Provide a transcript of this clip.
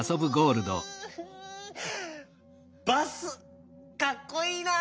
バスかっこいいな！